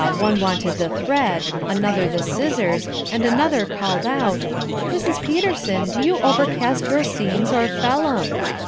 one wanted the thread, another the scissors, and another called out, 'Mrs. Peterson, do you overcast your seams or fell 'em?'